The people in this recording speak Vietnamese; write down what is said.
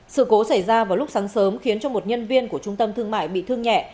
sự cố xảy ra vào lúc sáng sớm khiến cho một nhân viên của trung tâm thương mại bị thương nhẹ